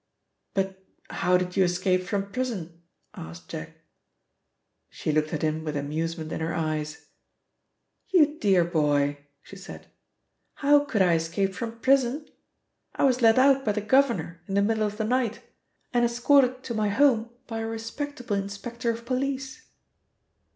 "But how did you escape from prison?" asked Jack. She looked at him with amusement in her eyes. "You dear boy," she said, "how could I escape from prison? I was let out by the governor in the middle of the night and escorted to my home by a respectable inspector of police!"